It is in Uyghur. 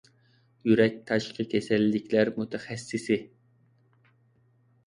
يۈرەك تاشقى كېسەللىكلەر مۇتەخەسسىسى